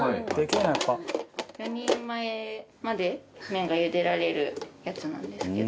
４人前まで麺が茹でられるやつなんですけど。